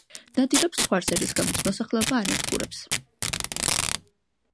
ნადირობს ცხვარზე, რის გამოც მოსახლეობა ანადგურებს.